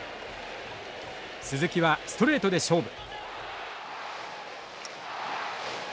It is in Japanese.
鈴木はストレートで勝負。